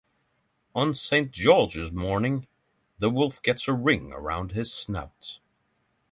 On St. George's morning, the wolf gets a ring around his snout.